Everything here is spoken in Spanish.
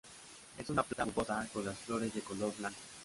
Es una planta bulbosa con las flores de color blanco.